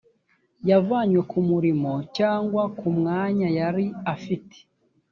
yvanywe ku murimo cyangwa ku mwanya yari afite